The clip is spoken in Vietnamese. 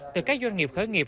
từ các doanh nghiệp khởi nghiệp